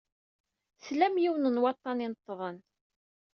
Tlam yiwen n waḍḍan ineṭṭḍen.